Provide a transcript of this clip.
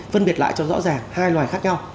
phân biệt lại cho rõ ràng hai loài khác nhau